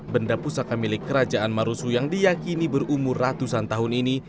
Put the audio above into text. benda pusaka milik kerajaan marusu yang diyakini berumur ratusan tahun ini